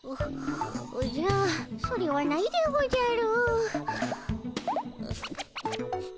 おじゃそれはないでおじゃる。